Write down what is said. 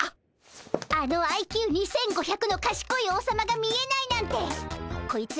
あのＩＱ２，５００のかしこい王様が見えないなんてこいつら